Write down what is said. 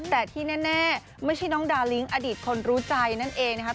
แต่ที่แน่ไม่ใช่น้องดาลิ้งอดีตคนรู้ใจนั่นเองนะครับ